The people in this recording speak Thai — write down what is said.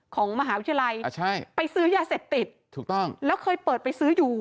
ของมหาวิทยาลัยอ่าใช่ไปซื้อยาเสพติดถูกต้องแล้วเคยเปิดไปซื้ออยู่